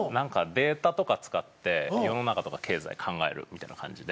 データとか使って世の中とか経済考えるみたいな感じで。